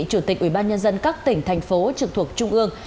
chủ tịch ubnd các tỉnh thành phố trực thuộc trung ương